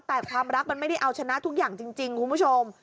แต่ความรักมันไม่ได้เอาชนะทุกอย่างจริงคุณผู้ชม